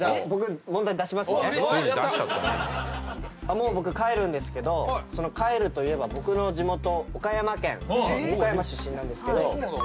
もう僕帰るんですけど帰るといえば岡山出身なんですけど。